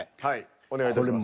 お願いいたします。